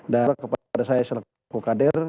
daripada saya sebagai kadir